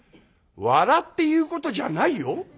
「笑って言うことじゃないよ。